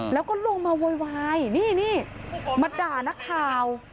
แล้วก็ลงมาโวยวายนี่มาด่านักข่าว